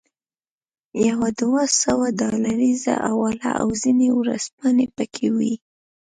یوه دوه سوه ډالریزه حواله او ځینې ورځپاڼې پکې وې.